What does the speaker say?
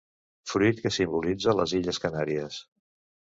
Fruit que simbolitza les Illes Canàries.